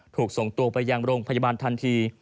ถูกส่งตัวไปยังโรงพยาบาลทันที